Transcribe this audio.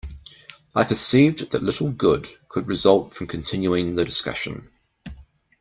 I perceived that little good could result from continuing the discussion.